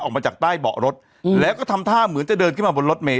ออกมาจากใต้เบาะรถแล้วก็ทำท่าเหมือนจะเดินขึ้นมาบนรถเมย